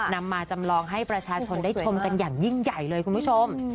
นำมาจำลองให้ประชาชนได้ชมกันอย่างยิ่งใหญ่เลยคุณผู้ชม